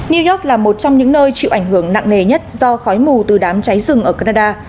new york là một trong những nơi chịu ảnh hưởng nặng nề nhất do khói mù từ đám cháy rừng ở canada